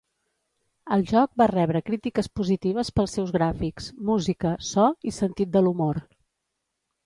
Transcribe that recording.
El joc va rebre crítiques positives pels seus gràfics, música, so, i sentit de l'humor.